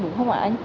đúng không ạ anh